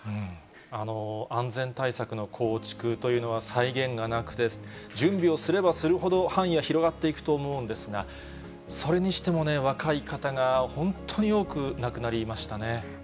安全対策の構築というのは際限がなくて、準備をすればするほど、範囲は広がっていくと思うんですが、それにしてもね、若い方が本当に多く亡くなりましたね。